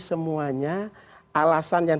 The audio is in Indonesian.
semuanya alasan yang